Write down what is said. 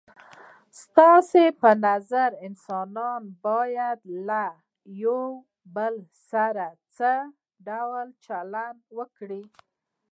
ستاسو په نظر انسانان باید له یو بل سره څه ډول چلند وکړي؟